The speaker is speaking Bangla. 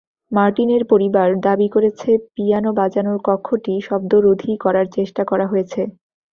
মার্টিনের পরিবার দাবি করেছে, পিয়ানো বাজানোর কক্ষটি শব্দরোধী করার চেষ্টা করা হয়েছে।